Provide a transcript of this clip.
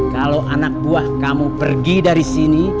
kalau anak buah kamu pergi dari sini